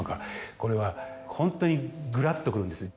これはホントにグラっとくるんです。